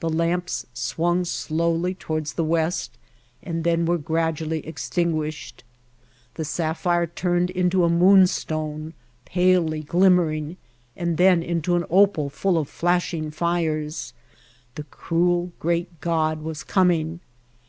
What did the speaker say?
The lamps swung slowly toward the west and then were gradually extinguished. The sapphire turned into a moonstone, palely glimmering, and then into an opal full of flashing fires. The [I2S] White Heart of Mojave cruel, great god was coming.